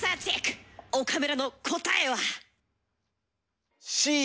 岡村の答えは？